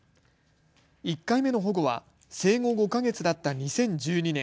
１回目の保護は生後５か月だった２０１２年。